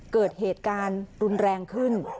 เกิดเหตุการณ์รุนแรงขึ้น